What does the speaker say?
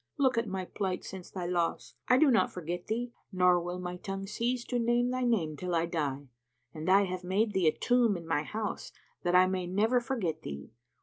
Look at my plight since thy loss! I do not forget thee, nor will my tongue cease to name thy name till I die; and I have made thee a tomb in my house, that I may never forget thee.